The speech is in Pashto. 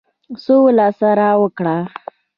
سوله سره وکړه.